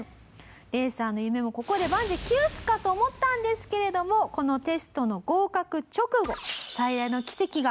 レーサーの夢もここで万事休すか！？と思ったんですけれどもこのテストの合格直後最大の奇跡が訪れました。